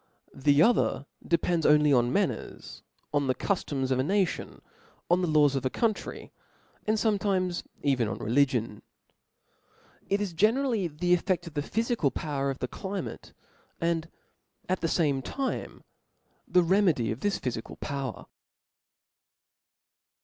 The other depends only on man ners, on the cuftoms of a nation, on the laws of the country, and fometimes even on religion *. It is generally the effcft of the phyfical power of the climate ; and at the fame time, the remedy of this phyfical power.